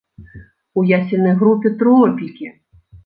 У ясельнай групе тропікі!